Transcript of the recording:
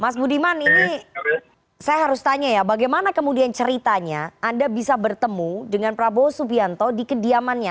mas budiman ini saya harus tanya ya bagaimana kemudian ceritanya anda bisa bertemu dengan prabowo subianto di kediamannya